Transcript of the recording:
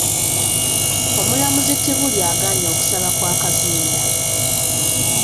Omulamuzi Tibulya agaanye okusaba kwa Kazinda.